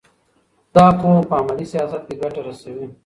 دا پوهه په عملي سیاست کې ګټه رسوي.